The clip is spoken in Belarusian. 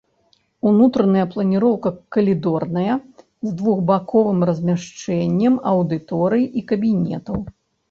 Унутраная планіроўка калідорная, з двухбаковым размяшчэннем аўдыторый і кабінетаў.